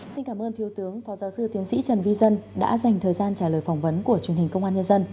xin cảm ơn thiếu tướng phó giáo sư tiến sĩ trần vi dân đã dành thời gian trả lời phỏng vấn của truyền hình công an nhân dân